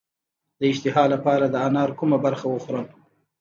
د اشتها لپاره د انار کومه برخه وخورم؟